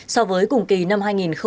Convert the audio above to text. so với cùng kỳ năm hai nghìn hai mươi hai